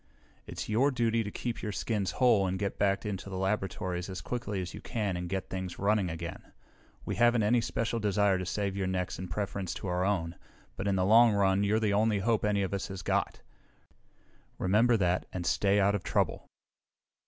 "It's your duty to keep your skins whole and get back into the laboratories as quickly as you can and get things running again! We haven't any special desire to save your necks in preference to our own, but in the long run you're the only hope any of us has got. Remember that, and stay out of trouble!"